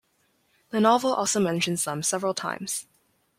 The novel also mentions them several times.